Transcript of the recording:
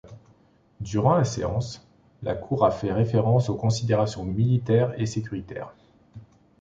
Durant la séance, la cour a fait référence aux considérations militaires et sécuritaires.